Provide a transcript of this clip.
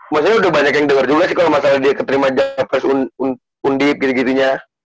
maksudnya udah banyak yang dengar juga sih kalau masalah dia keterima jawaban undip gitu gitunya